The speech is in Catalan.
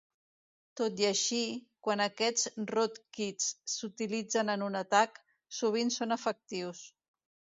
Tot i així, quan aquests "rootkits" s'utilitzen en un atac, sovint són efectius.